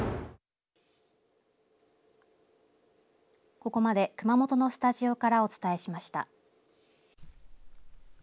ここまで熊本のスタジオからお伝えしました。